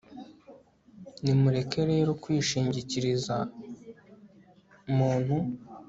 nimureke rero kwishingikiriza muntu